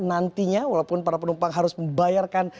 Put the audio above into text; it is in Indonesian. nantinya walaupun para penumpang harus membayarkan